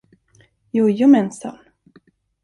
Jojomensan!